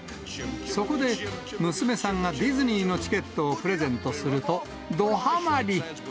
そこで、娘さんがディズニーのチケットをプレゼントすると、どはまり。